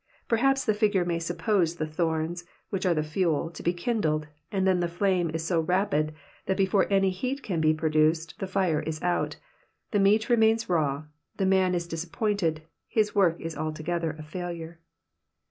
Perhaps the figure may suppose the thorns, which are the fuel, to be kindled, and then the flame is so rapid that before any heat can be produced the lire is out, the meat remains raw, the man is disappointed, his work is altogether a failure.